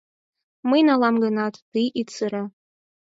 Мый налам гынат, тый ит сыре.